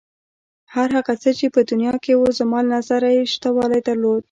هر هغه څه چې په دنیا کې و زما له نظره یې شتوالی درلود.